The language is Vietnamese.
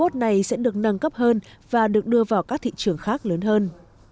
chú robot này sẽ được nâng cấp hơn và được đưa vào các thị trường khác lớn hơn